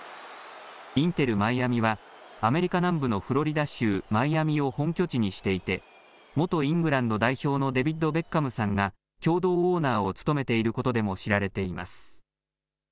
インテル・マイアミは、アメリカ南部のフロリダ州マイアミを本拠地にしていて、元イングランド代表のデビッド・ベッカムさんが、共同オーナーを務めていることでも知られています。